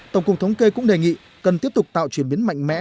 tổng cục thống kê cũng đề nghị cần tiếp tục tạo chuyển biến mạnh mẽ